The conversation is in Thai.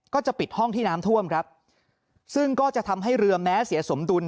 ก็จะปิดห้องที่น้ำท่วมครับซึ่งก็จะทำให้เรือแม้เสียสมดุล